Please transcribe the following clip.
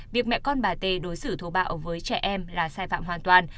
việc mẹ con bà tê đối xử thô bạo với trẻ em là sai phạm hoàn toàn